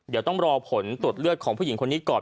เดี๋ยวต้องรอผลตรวจเลือดของผู้หญิงคนนี้ก่อน